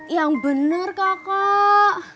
yang bener kakak